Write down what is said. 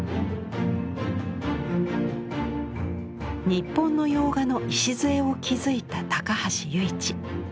日本の洋画の礎を築いた高橋由一。